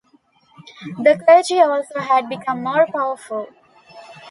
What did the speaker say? The clergy also had become more powerful.